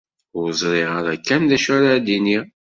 Ur ẓriɣ ara kan d acu ara d-iniɣ.